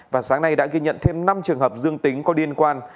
và sáng nay đã ghi nhận thêm năm trường hợp dương tính có liên quan